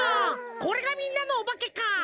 これがみんなのおばけか！